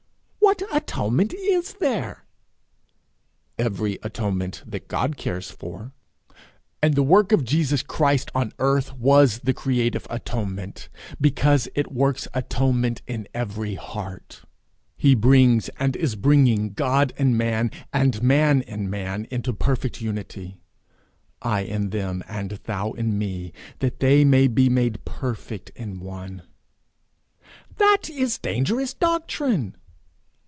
'What atonement is there?' Every atonement that God cares for; and the work of Jesus Christ on earth was the creative atonement, because it works atonement in every heart. He brings and is bringing God and man, and man and man, into perfect unity: 'I in them and thou in me, that they may be made perfect in one.' 'That is a dangerous doctrine!'